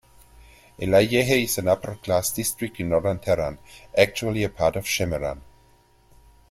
Elahiyeh is an upper class district in Northern Tehran, actually a part of Shemiran.